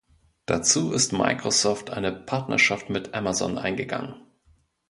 Dazu ist Microsoft eine Partnerschaft mit Amazon eingegangen.